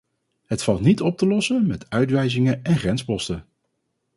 Het valt niet op te lossen met uitwijzingen en grensposten.